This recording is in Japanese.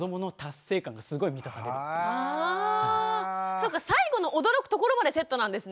そっか最後の驚くところまでセットなんですね。